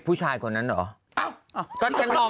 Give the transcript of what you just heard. ตบปากเลยตบจริงหนุ่ม